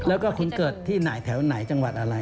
แล้วก็คุณเกิดที่ไหนแถวไหนจังหวัดอะไร